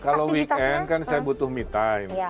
kalau weekend kan saya butuh me time